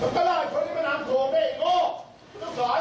คลิปกันก่อนค่ะ